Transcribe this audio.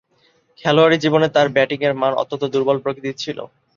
খেলোয়াড়ী জীবনে তার ব্যাটিংয়ের মান অত্যন্ত দূর্বল প্রকৃতির ছিল।